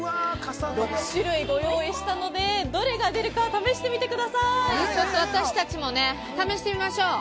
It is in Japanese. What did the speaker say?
６種類ご用意したのでどれが出るか私たちも試してみましょう。